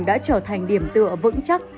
đã trở thành điểm tựa vững chắc